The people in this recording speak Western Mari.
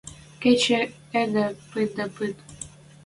Кечӹ йӹде пыт дӓ пыт.